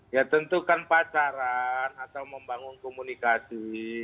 ya tentukan pacaran atau membangun komunikasi